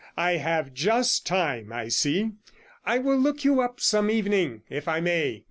I have just time, I see. I will look you up some evening, if I may.